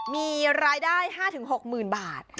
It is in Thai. มีรายได้๕๖๐๐๐บาท